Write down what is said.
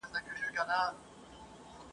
د خوبونو په لیدلو نه رسیږو !.